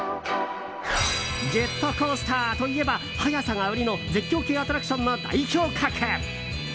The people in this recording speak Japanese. ジェットコースターといえば速さが売りの絶叫系アトラクションの代表格。